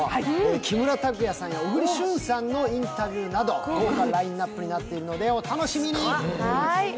木村拓哉さんや小栗旬さんのインタビューなど豪華なラインナップになっているのお楽しみに。